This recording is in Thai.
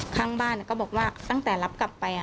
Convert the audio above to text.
ข้างบ้านก็บอกว่าตั้งแต่รับกลับไป